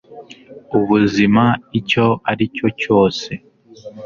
ubuzima icyo aricyo cyose